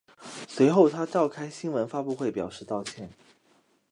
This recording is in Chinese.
随后他召开新闻发布会表示道歉。